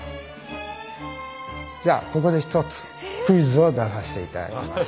じゃあここでひとつクイズを出させていただきます。